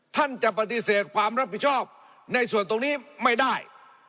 ท่านจะปฏิเสธความรับผิดชอบในส่วนตรงนี้ไม่ได้